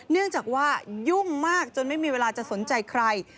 เนื่องจากว่ายุ่งมากจนไม่มีเวลาจะสนใจใคร